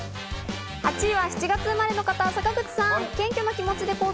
８位は７月生まれの方、坂口さん。